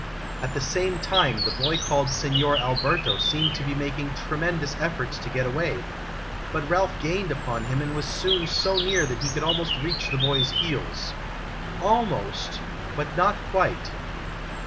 o <_> At the same time the boy called Signor Alberto seemed to be mak ing tremendous efforts to get away ; but Ralph gained upon him and was soon so near that he could almost reach the boy's heels. Almost, but not quite.